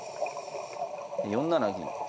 で４七銀。